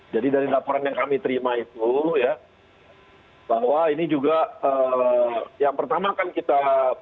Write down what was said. jadi dari laporan yang kami terima itu ya bahwa ini juga yang pertama akan kita